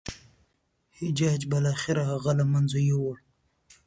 حجاج بالاخره هغه له منځه یووړ.